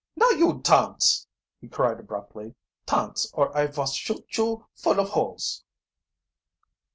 "Now you tance!" he cried abruptly. "Tance, or I vos shoot you full of holes!"